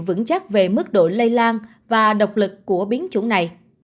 vững chắc về mức độ lây lan và độc lực của biến chủng này